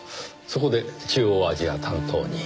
そこで中央アジア担当に？